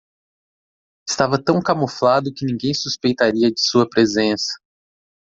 Estava tão camuflado que ninguém suspeitaria de sua presença.